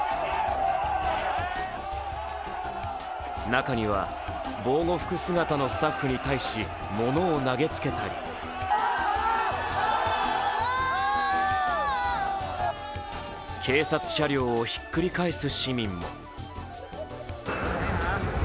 中には防護服姿のスタッフに対し物を投げつけたり、警察車両をひっくり返す市民も。